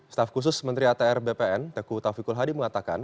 staff khusus menteri atr bpn tku taufikul hadi mengatakan